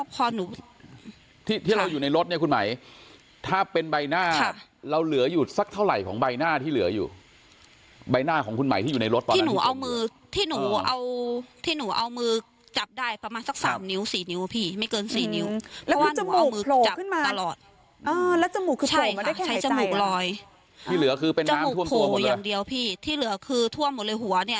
พอหนูที่ที่เราอยู่ในรถเนี้ยคุณหมายถ้าเป็นใบหน้าครับเราเหลืออยู่สักเท่าไหร่ของใบหน้าที่เหลืออยู่ใบหน้าของคุณหมายที่อยู่ในรถที่หนูเอามือที่หนูเอาที่หนูเอามือจับได้ประมาณสักสามนิ้วสี่นิ้วพี่ไม่เกินสี่นิ้วอืมแล้วคือจมูกโผล่ขึ้นมาตลอดอ่าแล้วจมูกคือโผล่มาได้ใช้จมูกลอยที่